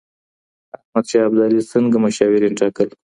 احمد شاه ابدالي څنګه مشاورين ټاکل؟